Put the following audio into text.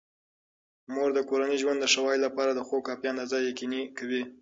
مور د کورني ژوند د ښه والي لپاره د خوب کافي اندازه یقیني کوي.